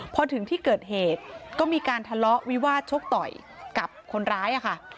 พอถึงที่เกิดเหตุก็มีการทะเลาะวิวาสชกต่อยกับคนร้ายค่ะ